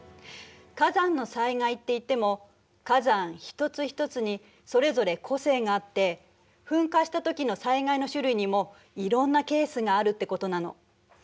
火山の災害っていっても火山一つ一つにそれぞれ個性があって噴火したときの災害の種類にもいろんなケースがあるってことなの。